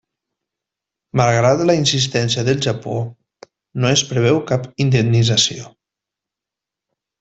Malgrat la insistència del Japó, no es preveu cap indemnització.